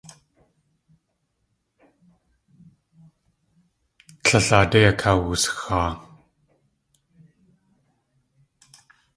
Tlél aadé akawusxaa.